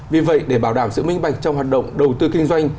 vì vậy để bảo đảm sự minh bạch trong hoạt động đầu tư kinh doanh